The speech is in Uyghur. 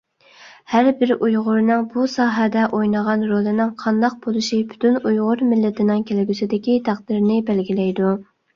ھەربىر ئۇيغۇرنىڭ بۇ ساھەدە ئوينىغان رولىنىڭ قانداق بولۇشى پۈتۈن ئۇيغۇر مىللىتىنىڭ كەلگۈسىدىكى تەقدىرىنى بەلگىلەيدۇ.